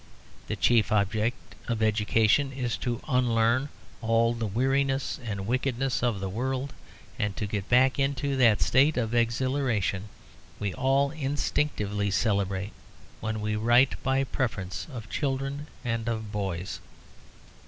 The chief object of education is to unlearn all the weariness and wickedness of the world and to get back into that state of exhilaration we all instinctively celebrate when we write by preference of children and of boys.